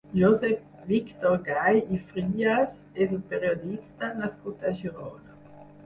Josep Víctor Gay i Frías és un periodista nascut a Girona.